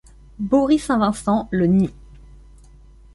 Bory Saint-Vincent le nie